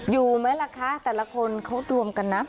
อยู่ไหมล่ะคะแต่ละคนเขารวมกันนะ